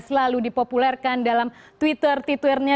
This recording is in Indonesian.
selalu dipopulerkan dalam twitter t tweernya